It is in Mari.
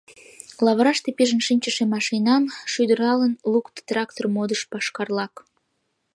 Лавыраште пижын шинчыше машинам шӱдыралын лукто трактор модыш пашкарлак.